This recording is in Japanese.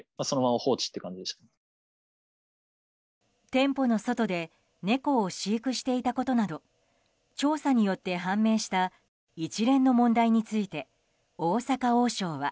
店舗の外で猫を飼育していたことなど調査によって判明した一連の問題について大阪王将は。